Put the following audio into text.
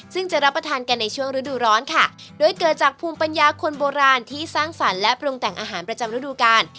ซึ่งจะรับประทานกันในช่วงฤดูร้อนค่ะโดยเกิดจากภูมิปัญญาคนโบราณที่สร้างสรรค์และปรุงแต่งอาหารประจำฤดูกาล